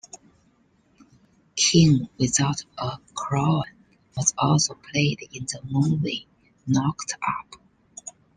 "King Without a Crown" was also played in the movie "Knocked Up".